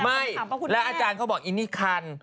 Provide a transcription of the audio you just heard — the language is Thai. ไม่แล้วอาจารย์เขาบอกอินนี่คัน